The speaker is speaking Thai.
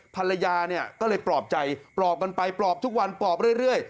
ภรรยาเนี่ยก็เลยปลอบใจปลอบกันไปปลอบทุกวันปลอบเรื่อย